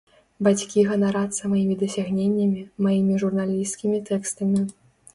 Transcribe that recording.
Бацькі ганарацца маімі дасягненнямі, маімі журналісцкімі тэкстамі.